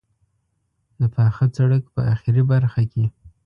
د پاخه سړک په آخري برخه کې.